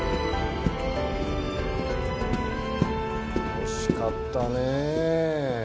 惜しかったねえ。